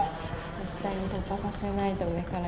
絶対に突破させないと上からいきます。